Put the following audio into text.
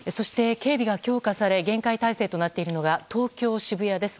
そして、警備が強化され厳戒態勢となっているのが東京・渋谷です。